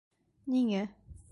Ниңә?..